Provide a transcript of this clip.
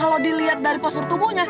kalau dilihat dari postur tubuhnya